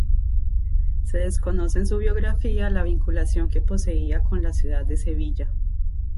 Se desconoce en su biografía la vinculación que poseía con la ciudad de Sevilla.